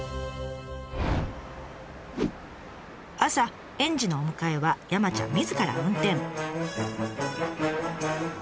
朝園児のお迎えは山ちゃんみずから運転。